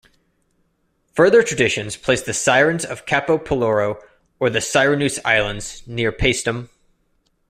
Further traditions place the sirens on Capo Peloro or the Sirenuse islands near Paestum.